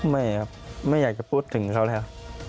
ไม่ครับไม่อยากจะพูดถึงเขาแล้ว